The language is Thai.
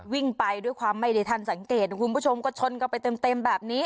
วิ่งไปด้วยความไม่ได้ทันสังเกตคุณผู้ชมก็ชนกันไปเต็มแบบนี้